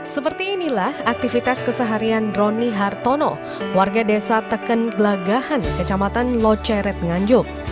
seperti inilah aktivitas keseharian roni hartono warga desa teken gelagahan kecamatan loceret nganjuk